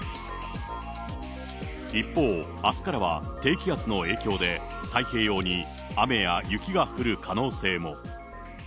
一方、あすからは低気圧の影響で、太平洋に雨や雪が降る可能性も。